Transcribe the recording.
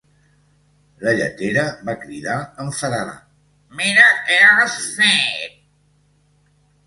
La lletera va cridar enfadada: "mira què has fet!"